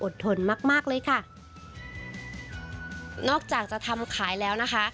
ทนมากมากเลยค่ะนอกจากจะทำขายแล้วนะคะ